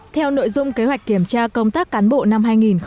theo nội dung kế hoạch kiểm tra công tác cán bộ năm hai nghìn một mươi chín